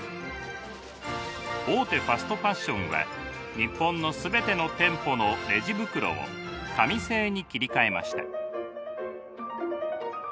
大手ファストファッションは日本の全ての店舗のレジ袋を紙製に切り替えました。